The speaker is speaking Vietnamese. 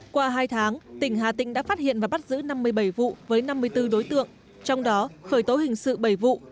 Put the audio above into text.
qua hai tháng tỉnh hà tĩnh đã phát hiện và bắt giữ năm mươi bảy vụ với năm mươi bốn đối tượng trong đó khởi tố hình sự bảy vụ